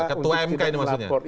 ketua mk ini maksudnya